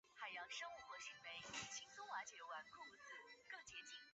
瓦利森特镇区为美国堪萨斯州塞奇威克县辖下的镇区。